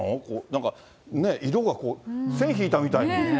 なんかね、色が線引いたみたいに。